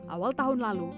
awal tahun lalu